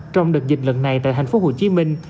trong đợt dịch lần này tại thành phố hồ chí minh